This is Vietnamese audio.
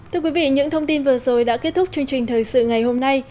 thưa quý vị những thông tin vừa rồi đã kết thúc chương trình thời sự ngày hôm nay